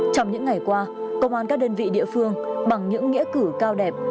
trong những ngày qua công an các đơn vị địa phương bằng những nghĩa cử cao đẹp